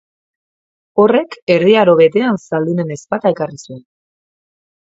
Horrek Erdi Aro Betean zaldunen ezpata ekarri zuen.